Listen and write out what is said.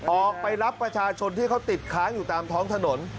ออกไปรับประชาชนที่เขาติดค้างอยู่ตามท้องถนน